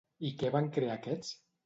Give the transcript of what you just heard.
I què van crear aquests?